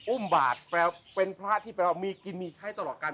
อุ้มบาทแปลเป็นพระที่แปลว่ามีกินมีใช้ตลอดกัน